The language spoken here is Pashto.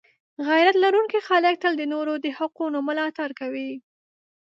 غیرت لرونکي خلک تل د نورو د حقونو ملاتړ کوي.